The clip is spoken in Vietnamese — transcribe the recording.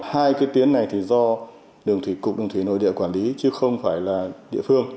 hai cái tuyến này thì do đường thủy cục đường thủy nội địa quản lý chứ không phải là địa phương